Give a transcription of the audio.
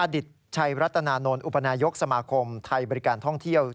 ดิตชัยรัตนานนทอุปนายกสมาคมไทยบริการท่องเที่ยว